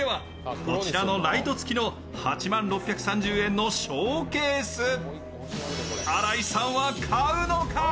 それでは、こちらのライト付きの８万６３０円のショーケース、新井さんは買うのか？